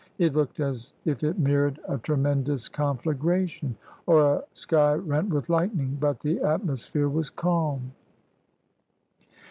It looked as if it mirrored a tremendous conflagration, or a sky rent with Hghtning; but the atmosphere was calm.